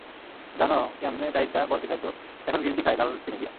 জানো, কেমনে চাইটা বরফি খাইতো, এখন গ্রিনটি খায়, লাল চিনি দিয়া।